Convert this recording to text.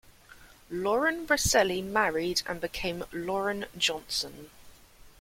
Lauren Roselli married and became Lauren Johnson.